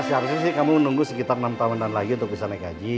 seharusnya sih kamu nunggu sekitar enam tahunan lagi untuk bisa naik haji